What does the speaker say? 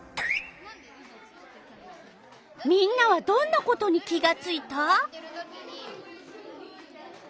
みんなはどんなことに気がついた？